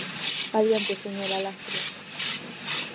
Adiante, señora Lastres.